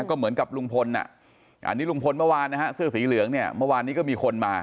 ก็เหมือนกับลุงพลอันนี้ลุงพลเมื่อวานนะฮะเสื้อสีเหลืองเนี่ยเมื่อวานนี้ก็มีคนมา